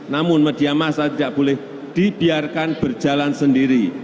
namun media masa tidak boleh dibiarkan berjalan sendiri